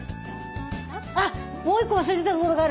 あっもう１個忘れてたところがある。